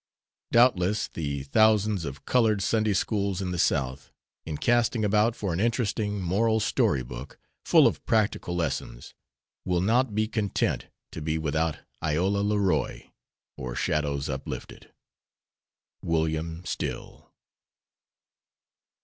Doubtless the thousands of colored Sunday schools in the South, in casting about for an interesting, moral story book, full of practical lessons, will not be content to be without "IOLA LEROY, OR SHADOWS UPLIFTED." WILLIAM STILL.